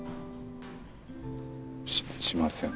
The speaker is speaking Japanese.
ししません。